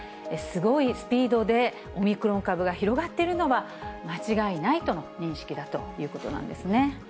すごいスピードで、オミクロン株が広がっているのは、間違いないとの認識だということなんですね。